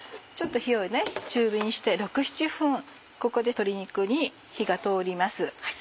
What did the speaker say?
ちょっと火を中火にして６７分ここで鶏肉に火が通ります。